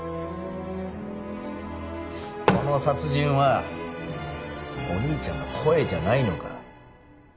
この殺人はお兄ちゃんの声じゃないのか？